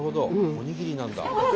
おにぎりなんだ。